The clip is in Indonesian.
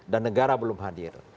dan negara belum hadir